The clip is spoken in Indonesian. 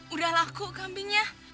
udah laku kambingnya